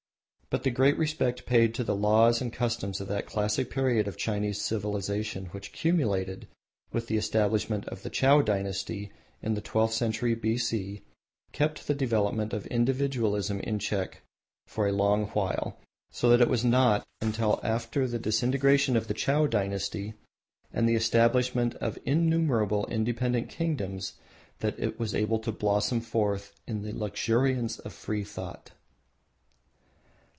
But the great respect paid to the laws and customs of that classic period of Chinese civilisation which culminated with the establishment of the Chow dynasty in the sixteenth century B.C., kept the development of individualism in check for a long while, so that it was not until after the disintegration of the Chow dynasty and the establishment of innumerable independent kingdoms that it was able to blossom forth in the luxuriance of free thought.